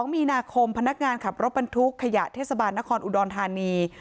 ๒มีนาคมพนักงานขับรถบรรทุกขยะเทศบาลนครอุดรธานี